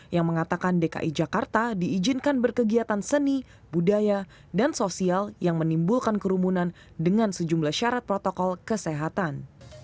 yang mengatakan dki jakarta diizinkan berkegiatan seni budaya dan sosial yang menimbulkan kerumunan dengan sejumlah syarat protokol kesehatan